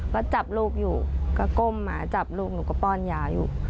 ก็จับลูกอยู่ก็ก้มหมาจับลูกหนูก็ป้อนยาอยู่